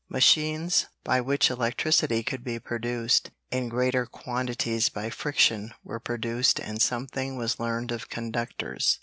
Machines by which electricity could be produced in greater quantities by friction were produced and something was learned of conductors.